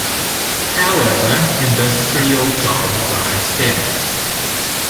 However, industrial jobs are scarce.